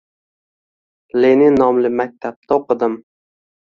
Lenin nomli maktabda o‘qidim